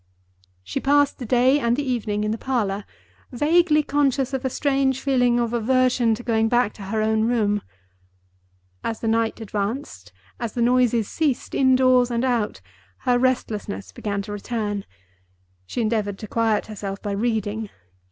She passed the day and the evening in the parlor, vaguely conscious of a strange feeling of aversion to going back to her own room. As the night advanced, as the noises ceased indoors and out, her restlessness began to return. She endeavored to quiet herself by reading.